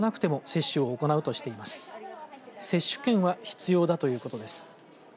接種券は必要だということです。